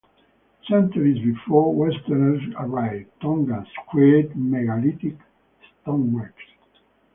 Centuries before Westerners arrived, Tongans created megalithic stoneworks.